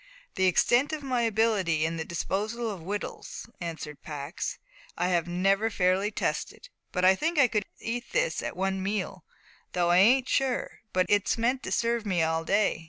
"The extent of my ability in the disposal of wittles," answered Pax, "I have never fairly tested. I think I could eat this at one meal, though I ain't sure, but it's meant to serve me all day.